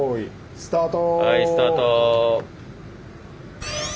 スタート。